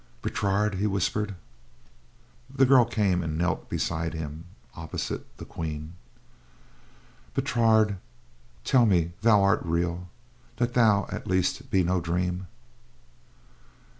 "Bertrade!" he whispered. The girl came and knelt beside him, opposite the Queen. "Bertrade, tell me thou art real; that thou at least be no dream."